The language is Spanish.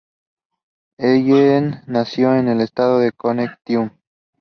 Ellen nació en el estado de Connecticut.